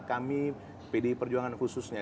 kami pdi perjuangan khususnya